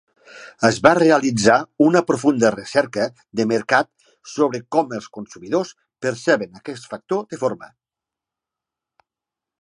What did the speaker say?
Es va realitzar una profunda recerca de mercat sobre com els consumidors perceben aquest factor de forma.